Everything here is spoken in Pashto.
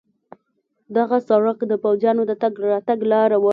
دغه سړک د پوځیانو د تګ راتګ لار وه.